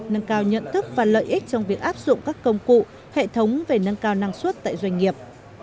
nâng cao nhận thức và lợi ích trong việc áp dụng các công cụ hệ thống về nâng cao năng suất tại doanh nghiệp